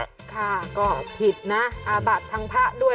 ค่ะก็ผิดนะอาบัติทางพระด้วย